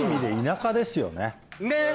ねっ！